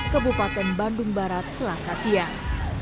kebupaten bandung barat selasa siang